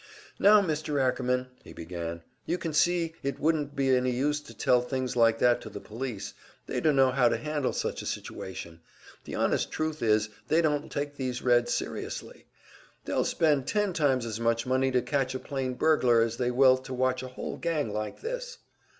"Now, Mr. Ackerman," he began, "You can see it wouldn't be any use to tell things like that to the police. They dunno how to handle such a situation; the honest truth is, they don't take these Reds serious. They'll spend ten times as much money to catch a plain burglar as they will to watch a whole gang like this."